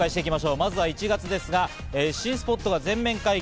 まずは１月ですが、新スポットが全面開業。